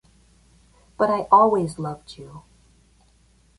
But I always loved you...